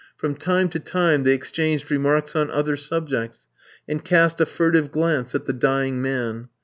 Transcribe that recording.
From time to time they exchanged remarks on other subjects, and cast a furtive glance at the dying man.